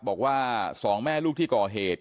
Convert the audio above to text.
บอกว่า๒แม่ลูกที่ก่อเหตุ